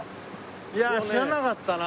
いやあ知らなかったな。